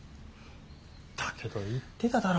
だけど言ってただろ？